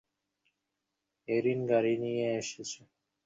Haerin গাড়ি নিয়ে এসেছে।